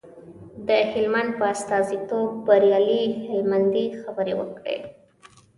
د هلمند په استازیتوب بریالي هلمند خبرې وکړې.